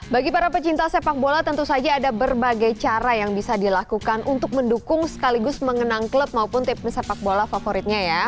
bagi para pecinta sepak bola tentu saja ada berbagai cara yang bisa dilakukan untuk mendukung sekaligus mengenang klub maupun tim sepak bola favoritnya ya